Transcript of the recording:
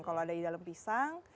kalau ada di dalam pisang